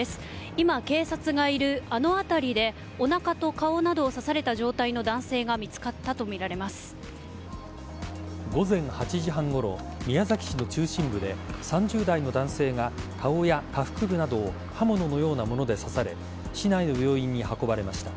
今警察がいるあの辺りでおなかと顔などを刺された状態の午前８時半ごろ宮崎市の中心部で３０代の男性が顔や下腹部などを刃物のようなもので刺され市内の病院に運ばれました。